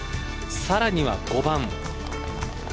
さらには５番。